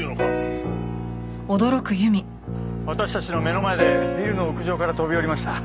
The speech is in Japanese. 私たちの目の前でビルの屋上から飛び降りました。